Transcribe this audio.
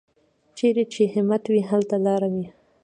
چېرې چې همت وي، هلته لاره وي.